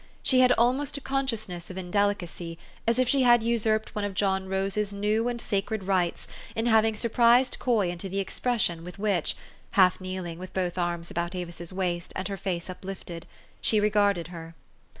She had almost a con sciousness of indelicacy, as if she had usurped one of John Rose's new and sacred rights, in having surprised Coy into the expression with which half kneeling, with both arms about Avis's waist, and her face uplifted she regarded her.